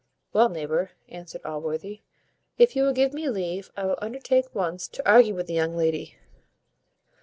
"Well, neighbour," answered Allworthy, "if you will give me leave, I will undertake once to argue with the young lady."